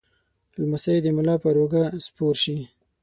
لمسی د ملا پر اوږه سپور شي.